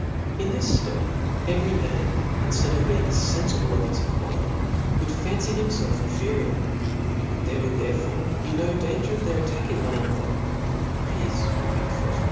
In this ftate eyery man, inftead of being fenfible of his jsquality, would fancy himfelf inferior. There would therefore be no danger of their attackr ing one another j peace would be the firft law of liature.